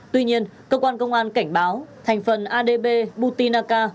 tuy nhiên cơ quan công an cảnh báo thành phần adb butinaca